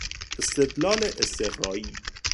استدلال استقرایی